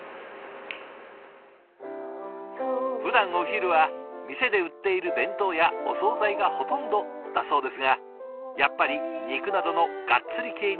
ふだんお昼は店で売っている弁当やお総菜がほとんどだそうですがやっぱり肉などのガッツリ系に偏りがち。